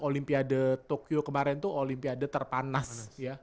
olimpiade tokyo kemarin itu olimpiade terpanas